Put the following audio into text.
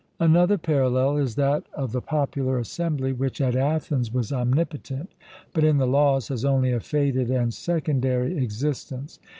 Another parallel is that of the Popular Assembly, which at Athens was omnipotent, but in the Laws has only a faded and secondary existence.